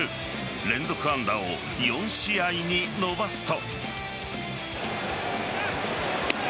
連続安打を４試合に伸ばすと。